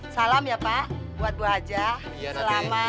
salam ya pak buat bu haja selamat